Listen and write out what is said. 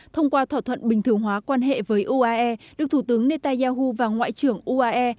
thông qua thỏa thuận bình thường hóa quan hệ với uae được thủ tướng netanyahu và ngoại trưởng uae